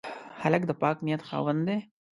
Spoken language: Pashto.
هلک د پاک نیت خاوند دی.